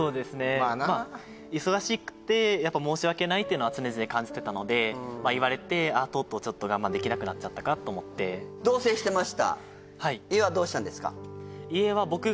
まあな忙しくてやっぱ申し訳ないっていうのは常々感じてたのでまあ言われてあっとうとうちょっと我慢できなくなっちゃったかと思って同棲してました家はどうしたんですか？